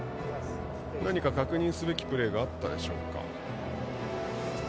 何か確認すべきプレーがあったでしょうか。